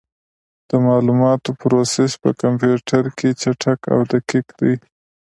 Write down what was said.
د معلوماتو پروسس په کمپیوټر کې چټک او دقیق دی.